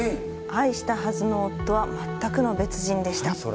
愛したはずの夫は全くの別人でした。